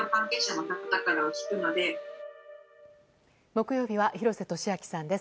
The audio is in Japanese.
木曜日は廣瀬俊朗さんです。